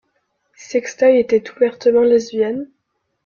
Sextoy était ouvertement lesbienne.